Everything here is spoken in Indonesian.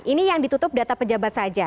ini yang ditutup data pejabat saja